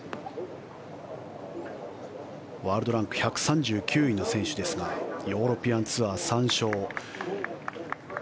ワールドランク１３９位の選手ですがヨーロピアンツアー３勝。